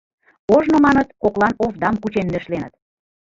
— Ожно, маныт, коклан овдам кучен нӧшленыт.